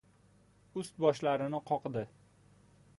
Ust-boshlarini qoqdi.